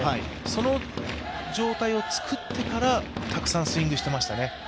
その状態をつくってから、たくさんスイングしてましたね。